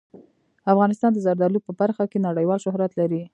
افغانستان د زردالو په برخه کې نړیوال شهرت لري.